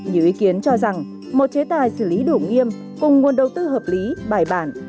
nhiều ý kiến cho rằng một chế tài xử lý đủ nghiêm cùng nguồn đầu tư hợp lý bài bản